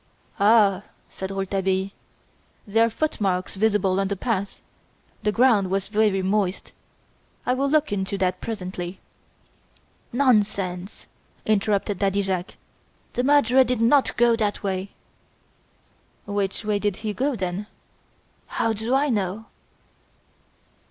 "Ah!" said Rouletabille, "there are footmarks visible on the path the ground was very moist. I will look into that presently." "Nonsense!" interrupted Daddy Jacques; "the murderer did not go that way." "Which way did he go, then?" "How do I know?"